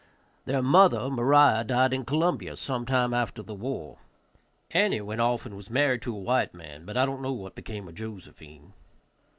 Their mother, Moriah, died in Columbia some time after the war. Annie went off and was married to a white man, but I don't know what became of Josephine.